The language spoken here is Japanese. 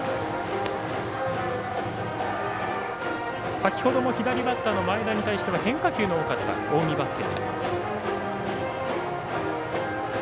先ほども左バッターの前田に対しては変化球の多かった近江バッテリー。